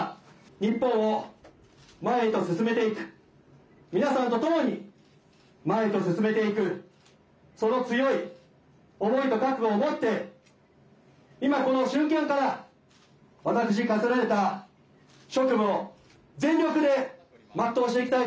日本を前へと進めていく、皆さんとともに前へと進めていく、その強い思いと覚悟を持って今この私に課せられた職務を全力で全うしていきたい。